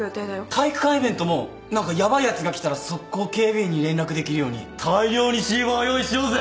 体育館イベントも何かヤバいヤツが来たら即行警備員に連絡できるように大量にシーバー用意しようぜ！